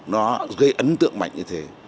nó gây ấn tượng mạnh như thế